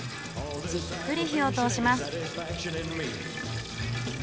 じっくり火を通します。